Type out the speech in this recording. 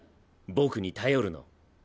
僕に頼るの。